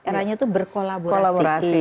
eranya tuh berkolaborasi